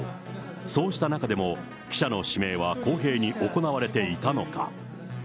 そうした中でも、記者の指名は公平に行われていたのか。